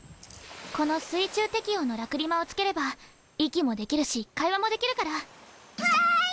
この水中適応の星水晶を着ければ息もできるし会話もできるから。わい！